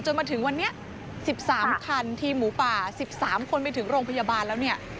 มาถึงวันนี้๑๓คันทีมหมูป่า๑๓คนไปถึงโรงพยาบาลแล้วเนี่ย